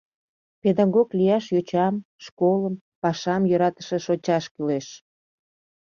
Педагог лияш йочам, школым, пашам йӧратыше шочаш кӱлеш.